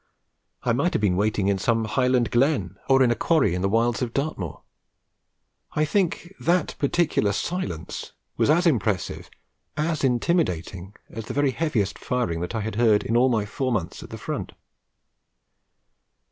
I might have been waiting in some Highland glen, or in a quarry in the wilds of Dartmoor. I think that particular silence was as impressive, as intimidating, as the very heaviest firing that I heard in all my four months at the front.